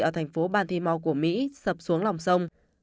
ở thành phố bantimau của mỹ sập xuống lòng sông